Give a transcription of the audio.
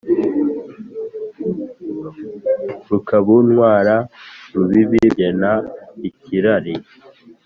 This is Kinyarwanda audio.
rukabu ntwara rubibi rugerna ikirari